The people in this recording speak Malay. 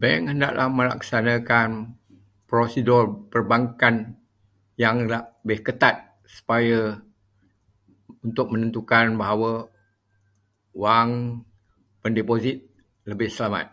Bank hendaklah melaksanakan prosedur perbankan yang lebih ketat supaya untuk menentukan bahawa wang pendeposit lebih selamat.